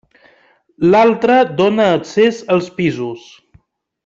L'altra dóna accés als pisos.